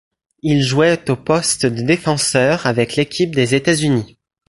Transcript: Il jouait au poste de défenseur avec l'équipe des États-Unis.